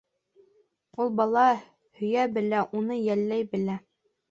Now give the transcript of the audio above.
Ул бала һөйә белә, уны йәлләй белә.